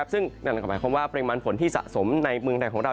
ซึ่งนั่นก็หมายความว่าปริมาณฝนที่สะสมในเมืองไทยของเรา